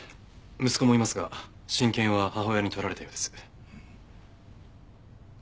息子もいますが親権は母親に取られたようです。